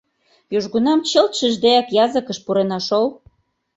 Южгунам чылт шиждеак языкыш пурена шол.